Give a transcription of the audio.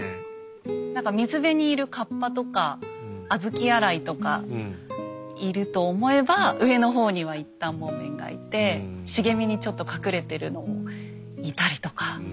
何か水辺にいる河童とか小豆洗いとかいると思えば上の方には一反もめんがいて茂みにちょっと隠れてるのもいたりとか。